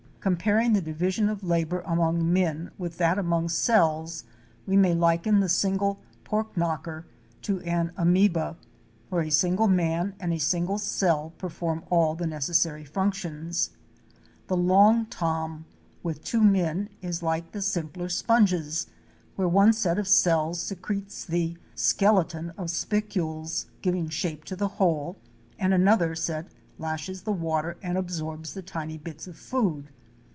Comparing the division of labor among men with that among cells, we may liken the single "pork knocker" to an Amoeba, where a single man and a single cell perform all the necessary functions; the Long Tom with two men is like the simpler sponges — where one set of cells secretes the skeleton of spicules, giving shape to the whole, and another set lashes the water and absorbs the tiny bits of food.